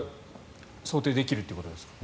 想定できるということですか。